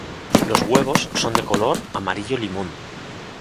Los huevos son de color amarillo-limón.